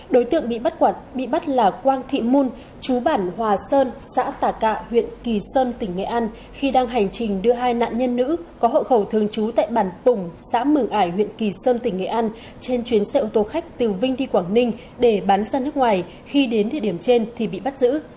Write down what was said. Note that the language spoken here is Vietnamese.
đối tượng bị bắt quạt bị bắt là quang thị mon chú bản hòa sơn xã tà cạ huyện kỳ sơn tỉnh nghệ an khi đang hành trình đưa hai nạn nhân nữ có hậu khẩu thường trú tại bản pùng xã mường ải huyện kỳ sơn tỉnh nghệ an trên chuyến xe ô tô khách từ vinh đi quảng ninh để bán sang nước ngoài khi đến địa điểm trên thì bị bắt giữ